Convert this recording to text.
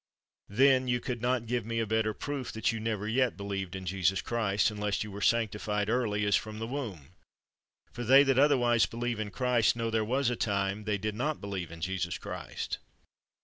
Then, you could not give me a better proof that you never yet believed in Jesus Christ, unless you were sanctified early, as from the womb ; for they that otherwise believe in Christ know there was a time when they did not believe in Jesus Christ.